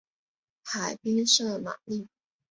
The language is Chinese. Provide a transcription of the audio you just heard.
海滨圣玛丽。